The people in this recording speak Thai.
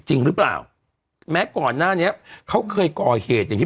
จริงหรือเปล่าแม้ก่อนหน้านี้เขาเคยก่อเหตุอย่างที่